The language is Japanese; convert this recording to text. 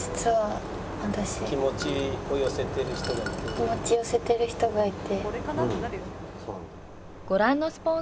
「気持ちを寄せてる人がいて」。